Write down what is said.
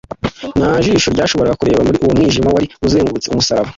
nta jisho ryashoboraga kureba muri uwo mwijima wari uzengurutse umusaraba,